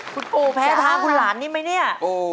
คุณปู่แพ้ท้าคุณหลานนี่ไหมเนี่ย